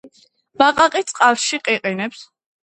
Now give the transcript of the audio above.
ბაყაყი წყალში ყიყინებს.